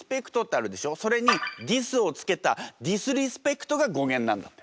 それにディスを付けたディスリスペクトが語源なんだって。